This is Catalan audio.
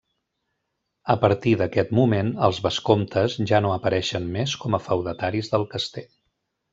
A partir d'aquest moment, els vescomtes ja no apareixen més com a feudataris del castell.